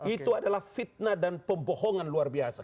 itu adalah fitnah dan pembohongan luar biasa